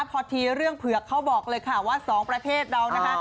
พอทีเรื่องเผือกเขาบอกเลยค่ะว่าสองประเทศเรานะคะ